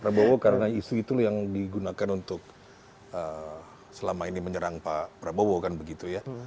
prabowo karena isu itu yang digunakan untuk selama ini menyerang pak prabowo kan begitu ya